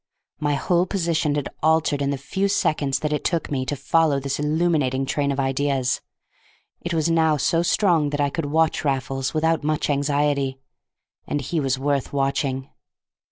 My whole position had altered in the few seconds that it took me to follow this illuminating train of ideas; it was now so strong that I could watch Raffles without much anxiety. And he was worth watching.